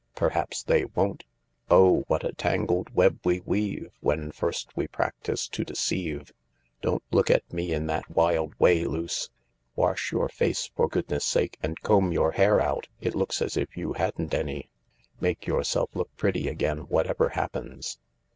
" Perhaps they won't. * Oh, what a tangled web we weave When first we practise to deceive/ Don't look at me in that wild way, Luce. Wash your face for goodness' sake, and comb your hair out — it looks as if you hadn't any. Make yourself look pretty again whatever happens."